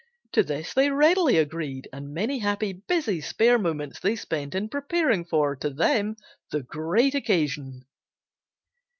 To this they readily agreed and many happy, busy spare moments they spent in preparing for (to them) the great occasion.